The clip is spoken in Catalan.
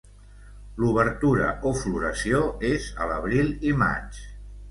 L'obertura o floració és a l'abril i maig.